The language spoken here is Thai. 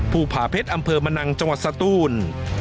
ภูผาเพชรอำเภอมะนังจังหวัดสตูน